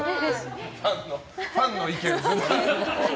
ファンの意見。